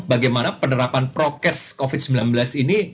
bagaimana penerapan prokes covid sembilan belas ini